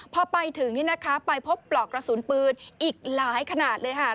พอไปถึงนี่นะคะไปพบปลอกกระสุนปืนอีกหลายขนาดเลยค่ะ